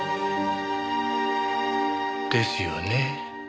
ですよね？